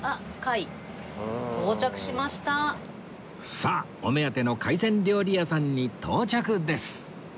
さあお目当ての海鮮料理屋さんに到着です